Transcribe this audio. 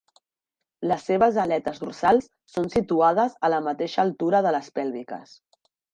Les seves aletes dorsals són situades a la mateixa altura de les pèlviques.